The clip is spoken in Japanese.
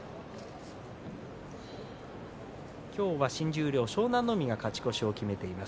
今日は新十両湘南乃海が勝ち越しを決めています。